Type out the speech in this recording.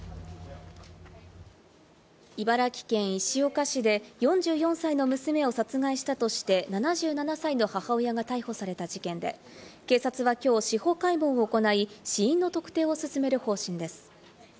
茨城県石岡市で、４４歳の娘を殺害したとして７７歳の母親が逮捕された事件で、警察はきょう司法解剖を行い、死因の特定を進める方針です。